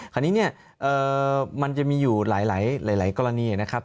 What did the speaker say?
คนนี้มันจะมีอยู่หลายกรณีนะครับ